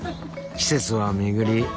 季節は巡り